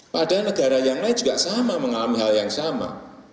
padahal negara yang lain juga sama mengalami hal yang sama